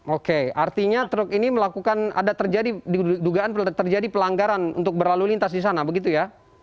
oke artinya truk ini melakukan ada terjadi dugaan terjadi pelanggaran untuk berlalu lintas di sana begitu ya